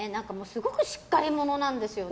すごくしっかり者なんですよね。